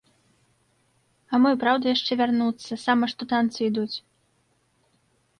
А мо і праўда яшчэ вярнуцца, сама што танцы ідуць.